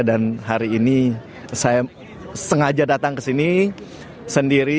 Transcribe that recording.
dan hari ini saya sengaja datang kesini sendiri